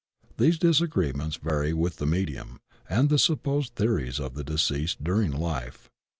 These disagreements vary with the medium and the supposed theories of the deceased during life.